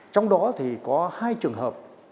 trong đó thì có hai trường hợp